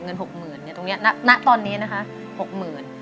เงินหกหมื่นตอนนี้นะคะหกหมื่น